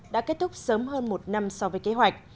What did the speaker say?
đã kết thúc sớm hơn một năm so với kế hoạch